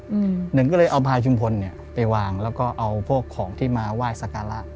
หนึ่งก็เลยเอาพาชุมพลเนี้ยไปวางแล้วก็เอาพวกของที่มาไหว้สการะ